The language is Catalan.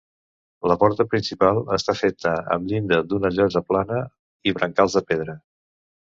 La porta principal està feta amb llinda d'una llosa plana i brancals de pedra.